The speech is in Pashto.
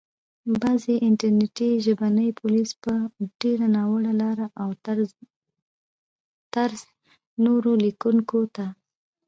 بعضي انټرنټي ژبني پوليس په ډېره ناوړه لاره او طرز نورو ليکونکو ته